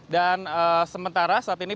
dan sementara saat ini